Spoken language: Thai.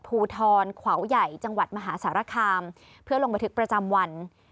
ภูทรขวาวใหญ่จังหวัดมหาสารคามเพื่อลงบันทึกประจำวัน